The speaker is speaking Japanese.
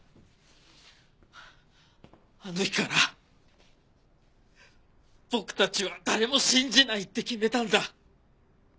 あの日から僕たちは誰も信じないって決めたんだ。